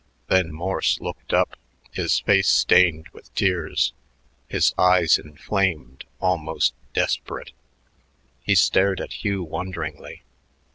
Then Morse looked up, his face stained with tears, his eyes inflamed, almost desperate. He stared at Hugh wonderingly.